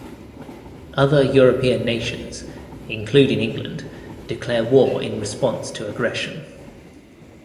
Other European nations, including England, declare war in response to aggression.